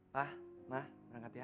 pa ma bangkat ya